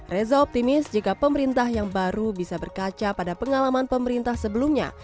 reza optimis jika pemerintah yang baru bisa berkaca pada pengalaman pemerintah sebelumnya